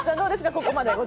ここまで。